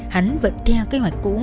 hắn vẫn theo kế hoạch cũ